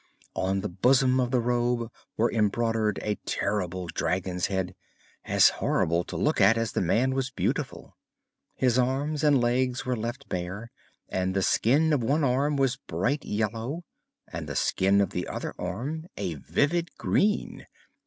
On the bosom of the robe was embroidered a terrible dragon's head, as horrible to look at as the man was beautiful. His arms and legs were left bare and the skin of one arm was bright yellow and the skin of the other arm a vivid green.